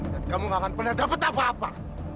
dan kamu tidak akan pernah dapat apa apa